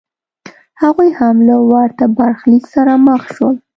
هغوی هم له ورته برخلیک سره مخ شول.